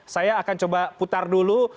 saya akan coba putar dulu